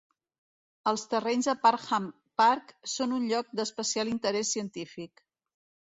Els terrenys de Parham Park són un lloc d'especial interès científic.